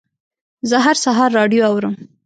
زه هر سهار راډیو اورم.